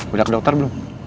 udah ke dokter belum